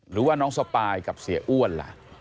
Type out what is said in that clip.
หรือว่าน้องสปายกับเสียอ้วนล่ะ